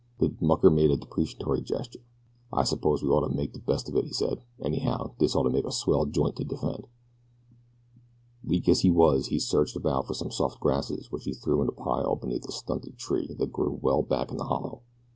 The mucker made a deprecatory gesture. "I suppose we gotta make de best of it," he said. "Anyhow, dis ought to make a swell joint to defend." Weak as he was he searched about for some soft grasses which he threw in a pile beneath a stunted tree that grew well back in the hollow.